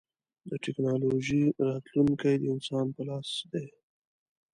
د ټکنالوجۍ راتلونکی د انسان په لاس دی.